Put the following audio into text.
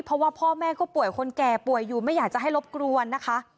เพราะว่าพ่อแม่ก็ป่วยคนแก่ป่วยอยู่ไม่อยากจะให้รบกวนนะคะ